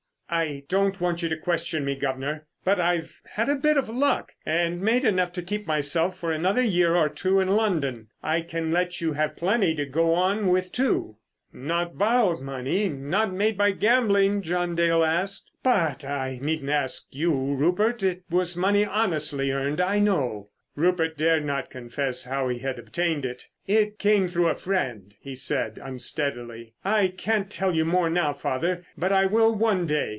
"I don't want you to question me, guv'nor, but I've had a bit of luck and made enough to keep myself for another year or two in London. I can let you have plenty to go on with, too." "Not borrowed money, not made by gambling?" John Dale asked. "But I needn't ask you, Rupert. It was money honestly earned, I know." Rupert dared not confess how he had obtained it. "It came through a friend," he said unsteadily. "I can't tell you more now, father, but I will one day.